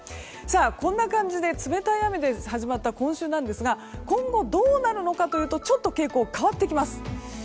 こんな感じで冷たい雨で始まった今週ですが今後どうなるかというと傾向が変わってきます。